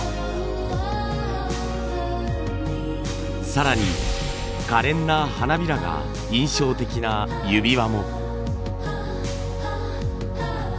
更にかれんな花びらが印象的な指輪も。